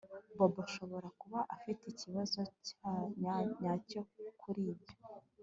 Bobo ashobora kuba afite ikibazo nyacyo kuri ibyo